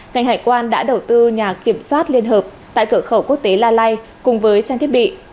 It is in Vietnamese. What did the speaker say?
ngành hải quan đã đầu tư nhà kiểm soát liên hợp tại cửa khẩu quốc tế la lai cùng với trang thiết bị